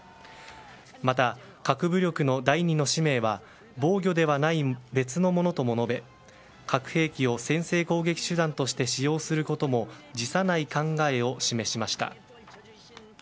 また、核武力の第２の使命は防御ではない別のものとも述べ核兵器を先制攻撃手段として使用することも辞さない考えを示しました。